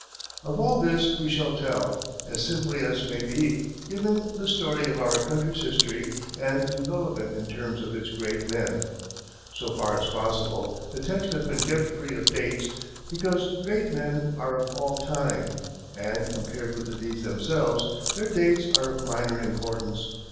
Of all this we shall tell, as simply as may be, giving the story of our country's history and development in terms of its great men. So far as possible, the text has been kept free of dates, because great men are of all time, and, compared with the deeds themselves, their dates are of minor importance.